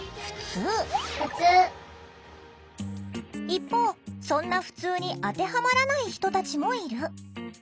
一方そんなふつうに当てはまらない人たちもいる。